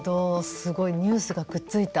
すごいニュースがくっついた。